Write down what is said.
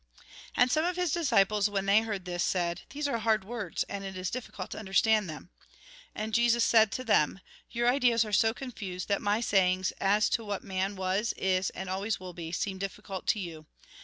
And some of his disciples, when they heard this, said :" These are hard words, and it is difficult to understand them." And Jesus said to them :" Your ideas are so confused, that my sayings as to what man was, is, and always wUl be, seem difficult to you.